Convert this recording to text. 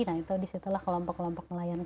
nah itu disitulah kelompok kelompok nelayan